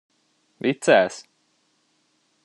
Viccelsz?